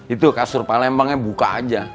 itu kasur palembangnya buka aja